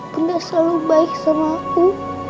tidak selalu baik sama aku